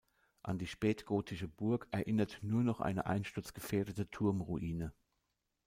An die spätgotische Burg erinnert nur noch eine einsturzgefährdete Turmruine.